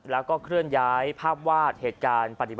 แล้วก็เคลื่อนย้ายภาพวาดเหตุการณ์